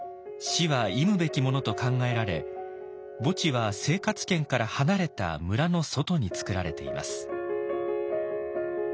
死は忌むべきものと考えられ墓地は生活圏から離れた村の外に作られています。